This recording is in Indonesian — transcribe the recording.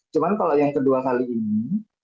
cuman kalo yang kedua kali ini